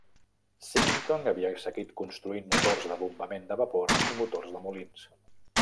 Symington havia seguit construint motors de bombament de vapor i motors de molins.